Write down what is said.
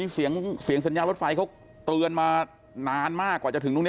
เสียงสัญญารถไฟเขาเตือนมานานมากกว่าจะถึงตรงนี้